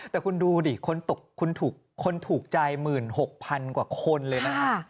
แต่คุณดูดิคนถูกใจหมื่นหกพันกว่าคนเลยนะค่ะ